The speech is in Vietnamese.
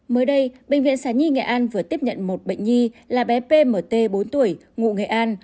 mới đây bệnh viện sản nhi nghệ an vừa tiếp nhận một bệnh nhi là bé pmt bốn tuổi ngụ nghệ an